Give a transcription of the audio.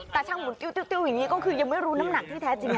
แต่ช่างหมุนติ้วอย่างนี้ก็คือยังไม่รู้น้ำหนักที่แท้จริง